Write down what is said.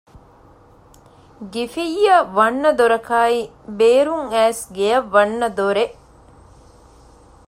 ގިފިއްޔަށް ވަންނަ ދޮރަކާއި ބޭރުން އައިސް ގެއަށް ވަންނަ ދޮރެއް